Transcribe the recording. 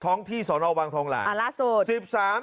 ท้องที่สอนอวังทองราศน์